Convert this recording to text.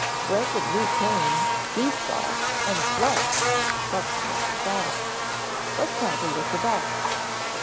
"Reckon we came, he saw, and fled," supplemented Bob. "Let's have a look about.